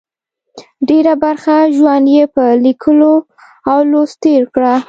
ډېره برخه ژوند یې په لیکلو او لوست تېر کړه.